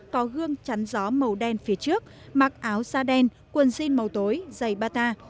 có gương chắn gió màu đen phía trước mặc áo da đen quần jean màu tối giày bata